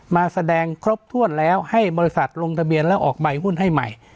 มาแสดงครบถ้วนแล้วให้บริษัทลงทะเบียนแล้วออกใบหุ้นให้ใหม่